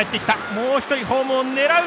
もう一人、ホームを狙う。